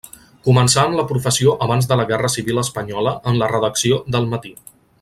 Començà en la professió abans de la guerra civil espanyola en la redacció d'El Matí.